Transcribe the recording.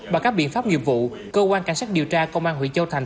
bằng các biện pháp nghiệp vụ cơ quan cảnh sát điều tra công an huyện châu thành